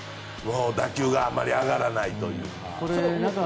打球があまり上がらないという。